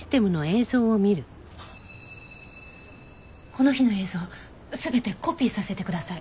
この日の映像全てコピーさせてください。